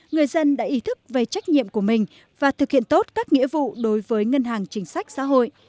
người dân đã ý thức về trách nhiệm của mình và thực hiện tốt các nghĩa vụ đối với ngân hàng chính sách xã hội